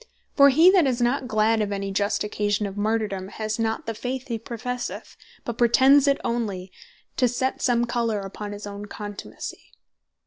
For he that is not glad of any just occasion of Martyrdome, has not the faith be professeth, but pretends it onely, to set some colour upon his own contumacy.